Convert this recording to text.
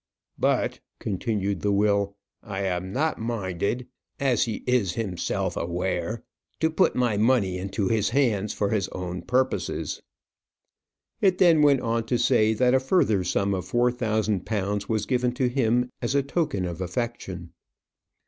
"But," continued the will, "I am not minded, as he is himself aware, to put my money into his hands for his own purposes." It then went on to say, that a further sum of four thousand pounds was given to him as a token of affection.